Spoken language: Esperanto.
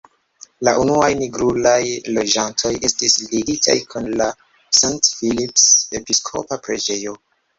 La unuaj nigrulaj loĝantoj estis ligitaj kun la St.-Philips-Episkopa-Preĝejo.